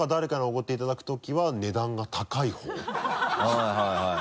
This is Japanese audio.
はいはいはい。